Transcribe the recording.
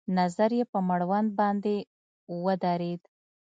نظر يې په مړوند باندې ودرېد.